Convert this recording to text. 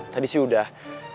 tadi sih udah